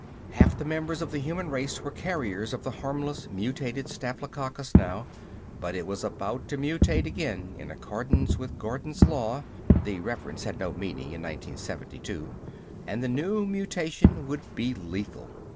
Half the members of the human race were carriers of the harmless mutated staphylococcus now, but it was about to mutate again in accordance with Gordon's Law (the reference had no meaning in 1972) and the new mutation would be lethal.